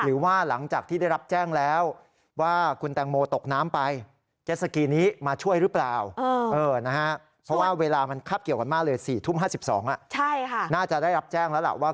หรือว่าหลังจากที่ได้รับแจ้งแล้ว